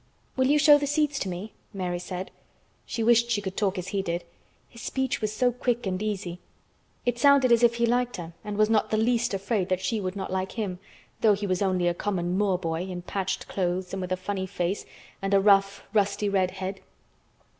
"Will you show the seeds to me?" Mary said. She wished she could talk as he did. His speech was so quick and easy. It sounded as if he liked her and was not the least afraid she would not like him, though he was only a common moor boy, in patched clothes and with a funny face and a rough, rusty red head.